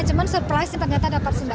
cuma surprise ternyata dapat sembako